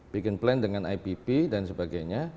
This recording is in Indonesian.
bikin plan dengan ipp dan sebagainya